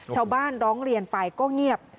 ชาวบ้านร้องเรียนไปก็เงียบ